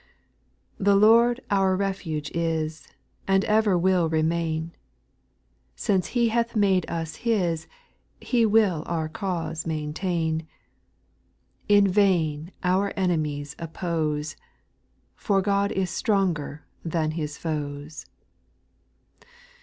2. The Lord our refuge is, And ever will remain ; Since He hath made us His, He will our cause maintain ; In vain our enemies oppose, For God is stronger than His foes.